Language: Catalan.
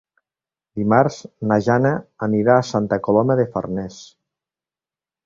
Dimarts na Jana anirà a Santa Coloma de Farners.